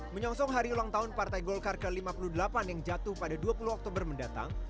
menyongsong hari ulang tahun partai golkar ke lima puluh delapan yang jatuh pada dua puluh oktober mendatang